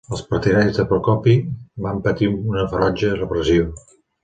Els partidaris de Procopi van patir una ferotge repressió.